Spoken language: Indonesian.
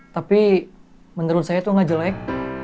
tapi menurut saya itu nggak jelek